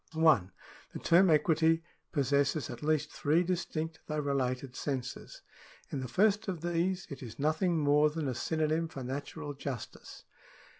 1. The term equity possesses at least three distinct though related senses. In the first of these, it is nothing more than a synonym for natural justice.